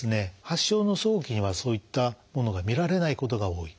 発症の早期にはそういったものが見られないことが多い。